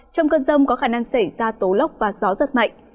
trong cơn rông có khả năng xảy ra tố lốc và gió giật mạnh